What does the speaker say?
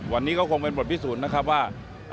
วันนี้ก็คงเป็นบทพิสูจน์นะครับว่า